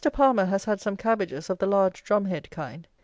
PALMER has had some cabbages of the large, drum head kind.